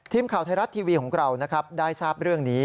ทีมข่าวไทยรัฐทีวีของเรานะครับได้ทราบเรื่องนี้